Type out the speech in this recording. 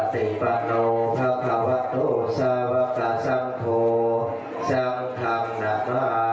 อ๊อที่หลวงพ่อ